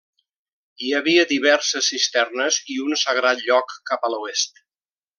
Hi havia diverses cisternes i un sagrat lloc cap a l'oest.